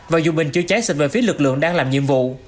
và dụ bình chưa cháy xịt về phía lực lượng đang làm nhiệm vụ